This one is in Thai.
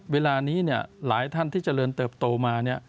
เวลานี้หลายท่านที่เจริญเติบโตมา